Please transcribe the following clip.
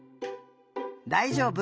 だいじょうぶ！